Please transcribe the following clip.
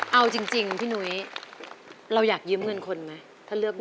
เอาจริงพี่หนุ้ยเราอยากยืมเงินคนไหมถ้าเลือกได้